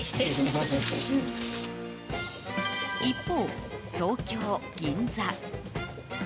一方、東京・銀座。